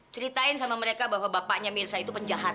ceritain sama mereka bahwa bapaknya mirsa itu penjahat